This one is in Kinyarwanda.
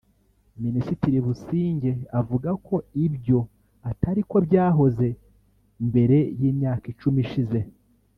Minisitiri Busingye avuga ko ibyo atari ko byahoze mbere y’imyaka icumi ishize